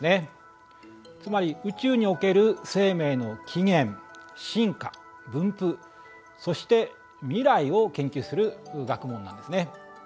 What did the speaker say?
つまり宇宙における生命の起源進化分布そして未来を研究する学問なんですね。